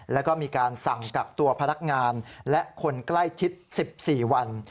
แล้วก็มีการสั่งกักตัวพนักงานและคนใกล้ชิด๑๔วัน